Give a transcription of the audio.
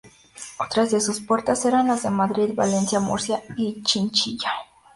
Otras de sus puertas eran las de Madrid, Valencia, Murcia y Chinchilla.